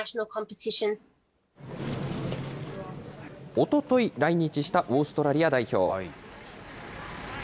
おととい来日したオーストラリア代表。